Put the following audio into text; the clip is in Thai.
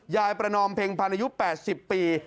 ยายประนอมเพ็งภาณายุ๘๐ปี